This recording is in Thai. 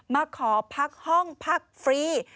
มาขอพักห้องพักฟรี